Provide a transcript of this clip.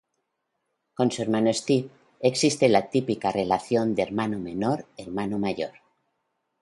Con su hermano Steve existe la típica relación de hermano menor-hermano mayor.